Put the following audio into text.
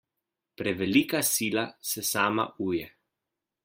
Prevelika sila se sama uje.